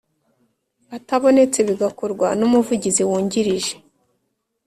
Atabonetse bigakorwa n umuvugizi wungirije